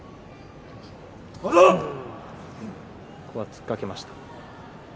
ここは突っかけました。